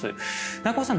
中尾さん